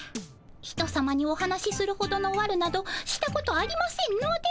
ひとさまにお話しするほどのわるなどしたことありませんので。